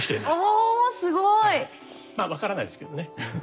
おすごい！まあ分からないですけどね。